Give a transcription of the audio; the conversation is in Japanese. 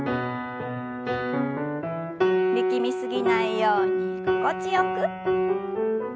力み過ぎないように心地よく。